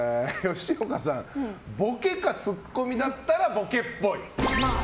ボケかツッコミかだったらボケっぽい。